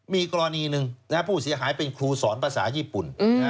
มีกรณีหนึ่งผู้เสียหายเป็นครูสอนภาษาญี่ปุ่น